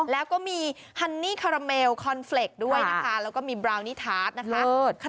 แล้วก็มีฮันนี่คาราเมลคอนเฟรกต์ด้วยนะคะแล้วก็มีบราวนิทาสนะคะ